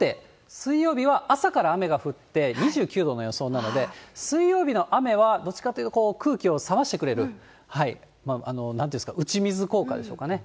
水曜日は、朝から雨が降って、２９度の予想なので、水曜日の雨は、どっちかっていうと、空気を冷ましてくれるなんていうんですか、打ち水効果でしょうかね。